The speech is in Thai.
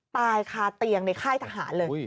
ตายคาเตียงในค่ายทหารเลย